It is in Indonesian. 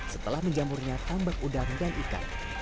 setelah menjamurnya tambak udang dan ikan